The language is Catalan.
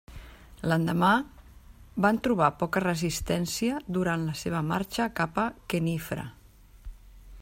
L'endemà, van trobar poca resistència durant la seva marxa cap a Khenifra.